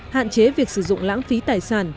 hạn chế việc sử dụng lãng phí tài sản